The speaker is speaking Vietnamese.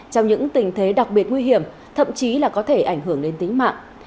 trong những tình thế đặc biệt nguy hiểm thậm chí là có thể ảnh hưởng đến tính mạng